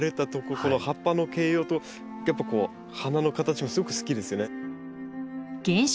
この葉っぱの形容とやっぱこう花の形もすごく好きですね。